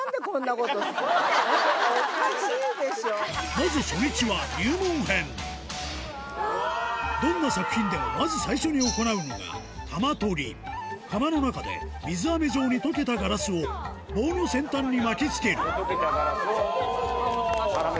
まず初日はどんな作品でもまず最初に行うのが玉取り玉の中で水あめ状に溶けたガラスを棒の先端に巻きつけるスゴい！